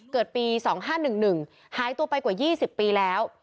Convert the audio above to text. เกิดปี๒๕๑๑หายตัวไปกว่า๒๐ปีแล้ว